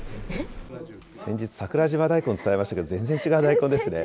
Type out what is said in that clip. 先日、さくらじま大根伝えましたけど、全然違う大根ですね。